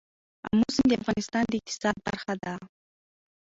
آمو سیند د افغانستان د اقتصاد برخه ده.